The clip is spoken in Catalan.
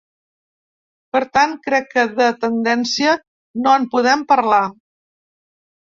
Per tant, crec que de tendència no en podem parlar.